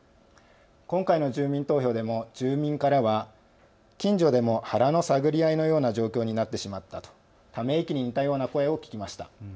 今回の住民投票でも住民からは近所でも腹の探り合いのような状況になってしまったとため息に似たような声を聞きました。